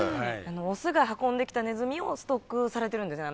オスが運んできたネズミをストックされてるんですね